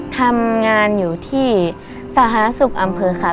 ทำงานอยู่ที่สาธารณสุขอำเภอค่ะ